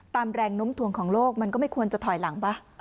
ตามแรงน้มถ่วงของโลกมันก็ไม่ควรจะถอยหลังป่ะ